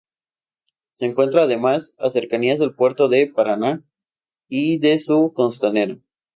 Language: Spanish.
Se encuentra además, a cercanías del Puerto de Paraná y de su Costanera.